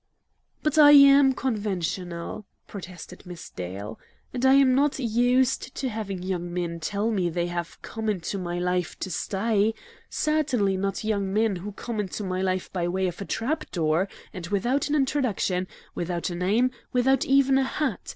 "But I AM conventional!" protested Miss Dale. "And I am not USED to having young men tell me they have 'come into my life to stay' certainly not young men who come into my life by way of a trap door, and without an introduction, without a name, without even a hat!